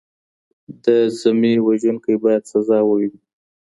د ذمي وژونکی باید سزا وویني.